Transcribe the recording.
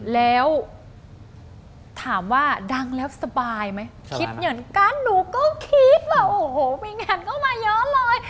แล้วถามว่าดังแล้วสบายไหมคิดอย่างนั้นหนูก็คิดว่าโอ้โหมีงานเข้ามาเยอะเลย